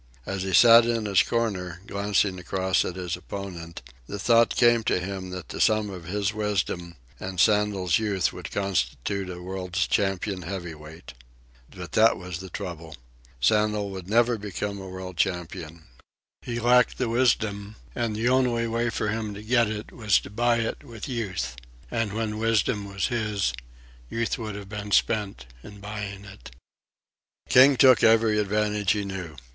As he sat in his corner, glancing across at his opponent, the thought came to him that the sum of his wisdom and Sandel's youth would constitute a world's champion heavyweight. But that was the trouble. Sandel would never become a world champion. He lacked the wisdom, and the only way for him to get it was to buy it with Youth; and when wisdom was his, Youth would have been spent in buying it. King took every advantage he knew.